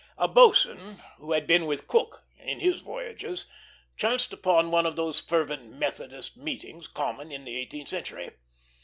A boatswain, who had been with Cook in his voyages, chanced upon one of those fervent Methodist meetings common in the eighteenth century.